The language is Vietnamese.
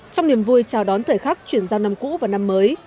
trong niềm vui chào đón thời khắc chuyển giao năm cũ và năm mới